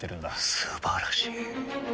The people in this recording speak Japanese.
素晴らしい。